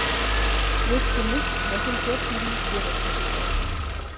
Ich wüsste nicht, was uns jetzt noch in die Quere kommen sollte.